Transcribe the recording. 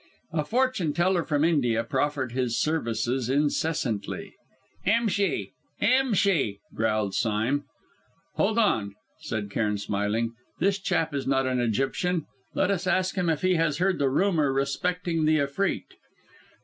A fortune teller from India proffered his services incessantly. "Imshi! imshi!" growled Sime. "Hold on," said Cairn smiling; "this chap is not an Egyptian; let us ask him if he has heard the rumour respecting the Efreet!"